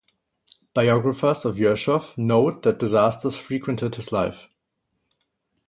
Biographers of Yershov note that disasters frequented his life.